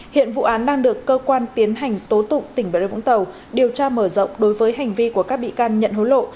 hiện vụ án đang được cơ quan tiến hành tố tụng tỉnh bà rê vũng tàu điều tra mở rộng đối với hành vi của các bị can nhận hối lộ